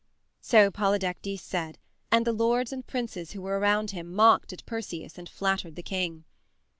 So Polydectes said, and the lords and princes who were around him mocked at Perseus and flattered the king.